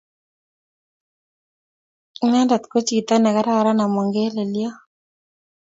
Inendete ko chito nekararan ama ngeleliot